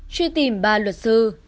truy tìm ba luật sư